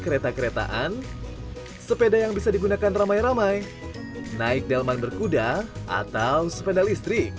kereta keretaan sepeda yang bisa digunakan ramai ramai naik delman berkuda atau sepeda listrik